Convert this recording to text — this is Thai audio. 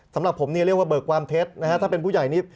สำหรับผมเนี่ยเรียกว่าเบิกความเท็จนะครับ